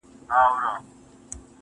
را سهید سوی، ساقي جانان دی,